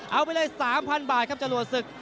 เอาไปเลย๓๐๐บาทครับจรวดศึก